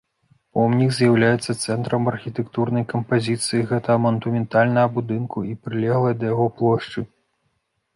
Помнік з'яўляецца цэнтрам архітэктурнай кампазіцыі гэтага манументальнага будынка і прылеглай да яго плошчы.